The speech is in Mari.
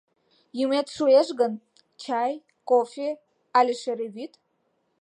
Йӱмет шуэш гын — чай, кофе але шере вӱд.